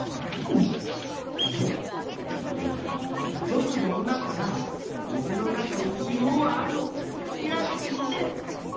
ぼくが今から水の中に「塩はある」を調べテミルン！